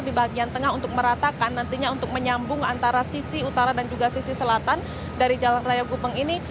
di bagian tengah untuk meratakan nantinya untuk menyambung antara sisi utara dan juga sisi selatan dari jalan raya gubeng ini